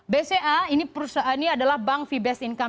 bca ini adalah bank fee based income